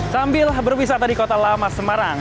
sambil berwisata di kota lama semarang